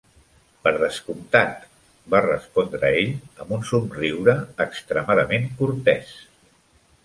"Per descomptat", va respondre ell, amb un somriure extremadament cortès.